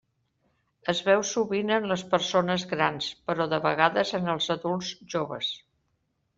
Es veu sovint en les persones grans, però de vegades en els adults joves.